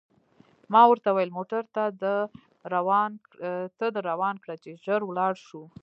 ما ورته وویل: موټر ته در روان کړه، چې ژر ولاړ شو.